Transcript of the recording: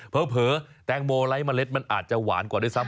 เผอร์เผอร์แตงโมไลฟ์เมล็ดมันอาจจะหวานกว่าได้ซ้ำ